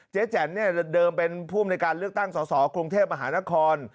เจ๊แจ่นเดิมเป็นผู้ในการเลือกตั้งสสกรงเทพฯมหานคร